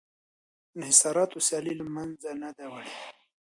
انحصاراتو سیالي له منځه نه ده وړې